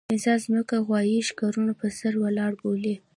انسان ځمکه غوايي ښکرو پر سر ولاړه بولي.